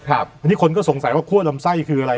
อันนี้คนก็สงสัยว่าคั่วลำไส้คืออะไร